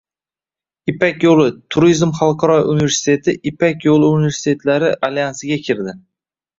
“Ipak yoʻli” turizm xalqaro universiteti Ipak yoʻli universitetlari alyansiga kirdi